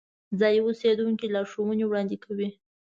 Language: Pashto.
ځایی اوسیدونکي لارښوونې وړاندې کوي.